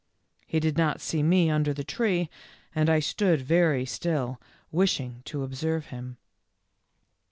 He did not see me under the tree, and I stood very still, wishing to observe him.